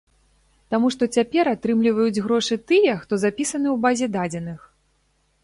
Таму што цяпер атрымліваюць грошы тыя, хто запісаны ў базе дадзеных.